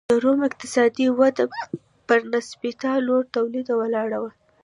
د روم اقتصادي وده پر نسبتا لوړ تولید ولاړه وه.